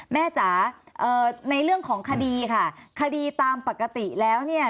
จ๋าในเรื่องของคดีค่ะคดีตามปกติแล้วเนี่ย